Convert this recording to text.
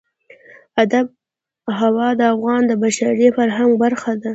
آب وهوا د افغانستان د بشري فرهنګ برخه ده.